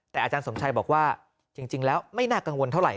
แต่อาจารย์สมชัยบอกว่าจริงแล้วไม่น่ากังวลเท่าไห